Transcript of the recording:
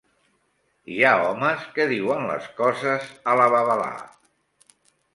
Hi ha homes que diuen les coses a la babalà.